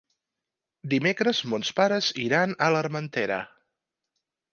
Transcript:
Dimecres mons pares iran a l'Armentera.